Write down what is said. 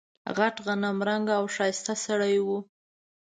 غټ غنم رنګه او ښایسته سړی و.